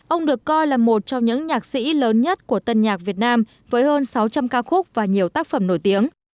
ông được coi là một trong những nhạc sĩ lớn nhất của tân nhạc việt nam với hơn sáu trăm linh ca khúc và nhiều tác phẩm nổi tiếng